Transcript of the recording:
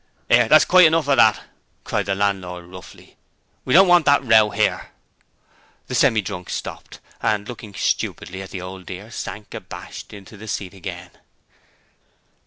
''Ere! that's quite enough o' that!' cried the landlord, roughly. 'We don't want that row 'ere.' The Semi drunk stopped, and looking stupidly at the Old Dear, sank abashed on to the seat again.